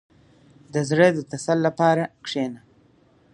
• د زړه د تسل لپاره کښېنه.